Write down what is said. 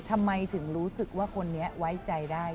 ทำไมถึงรู้สึกว่าคนนี้ไว้ใจได้